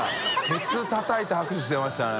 吋たたいて拍手してましたね。